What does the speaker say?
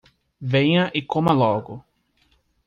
Venha e coma logo